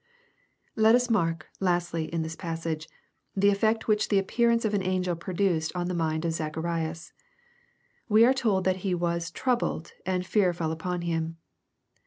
Let us mark, lastly, in this passage, the effect which the appearance of an angel produced on the mind oj Zacharias. We are told that he "was troubled, and fear fell upon him."